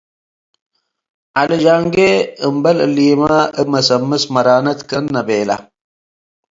ዐሊ ጃንጌ አምበል እሊመ እብ ምስምሰ መራነት ክእነ ቤለ።-